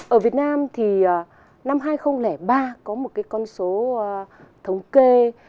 ở việt nam thì năm hai nghìn ba có một cái con số thống kê